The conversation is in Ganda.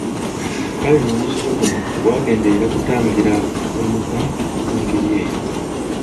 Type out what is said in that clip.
Kale nno omuzizo guno gwagenderera kutangira kuwemuka okw'engeri eyo.